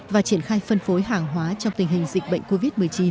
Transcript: và triển khai phân phối hàng hóa trong tình hình dịch bệnh covid một mươi chín